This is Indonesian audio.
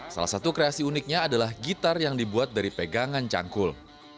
salah satu kreasi uniknya adalah gitar yang dibuat dari pegangan cangkul